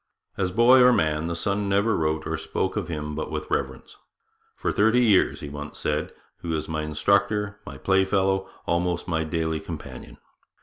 As boy or man, the son never wrote or spoke of him but with reverence. 'For thirty years,' he once said, 'he was my instructor, my play fellow, almost my daily companion.